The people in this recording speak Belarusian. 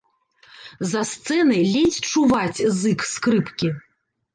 За сцэнай ледзь чуваць зык скрыпкі.